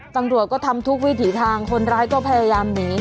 ตำรวจก็ทำทุกวิถีทางคนร้ายก็พยายามหนี